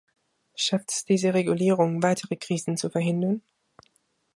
Schafft es diese Regulierung, weitere Krisen zu verhindern?